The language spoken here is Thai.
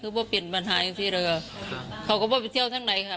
เป็นปัญหาอย่างซี่เลยค่ะเขาก็ไม่ไปเที่ยวทั้งไหนค่ะ